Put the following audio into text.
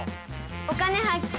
「お金発見」。